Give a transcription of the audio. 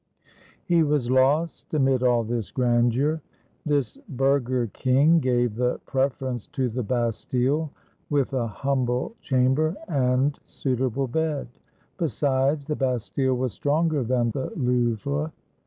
He was lost amid all this grandeur. This burgher king gave the preference to the Bastile, with a humble chamber and suitable bed. Besides, the Bastile was stronger than the Louvre.